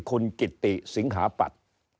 คุณกิตติสิงหาปัตย์